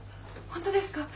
本当ですか？